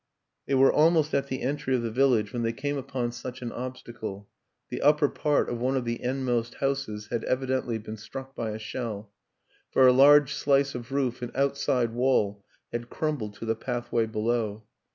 They were almost at the entry of the village WILLIAM AN ENGLISHMAN 143 when they came upon such an obstacle : the upper part of one of the endmost houses had evidently been struck by a shell, for a large slice of roof and outside wall had crumbled to the pathway below.